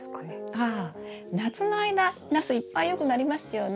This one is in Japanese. ああ夏の間ナスいっぱいよくなりますよね。